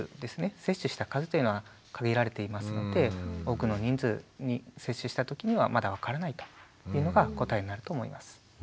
接種した数というのは限られていますので多くの人数に接種した時にはまだ分からないというのが答えになると思います。